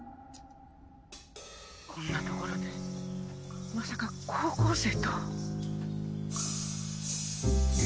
こんな所でまさか高校生と。